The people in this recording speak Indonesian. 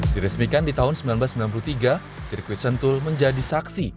diresmikan di tahun seribu sembilan ratus sembilan puluh tiga sirkuit sentul menjadi saksi